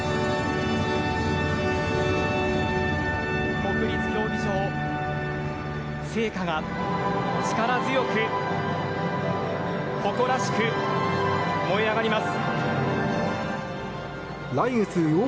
国立競技場聖火が力強く、誇らしく燃え上がります。